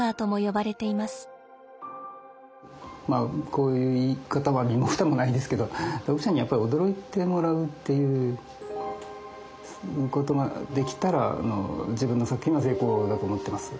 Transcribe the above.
こういう言い方は身も蓋もないですけど読者にやっぱり驚いてもらうということができたら自分の作品は成功だと思ってます。